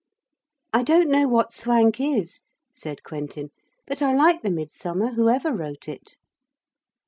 'I don't know what swank is,' said Quentin, 'but I like the Midsummer whoever wrote it.'